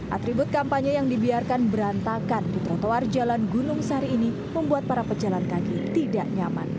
atribut kampanye yang dibiarkan berantakan di trotoar jalan gunung sari ini membuat para pejalan kaki tidak nyaman